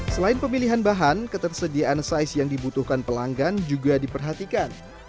selain pemilihan bahan ketersediaan size yang dibutuhkan pelanggan juga diperhatikan